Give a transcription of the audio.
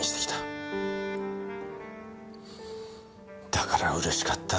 だからうれしかった。